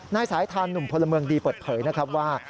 นายสายทานหนุ่มพลเมืองดีเปิดเผยนะครับว่า